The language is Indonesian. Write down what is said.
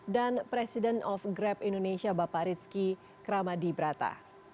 dan presiden of grab indonesia bapak rizky kramadi brata